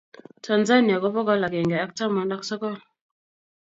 Tanzania ko bogol agenge ak taman ak sogol,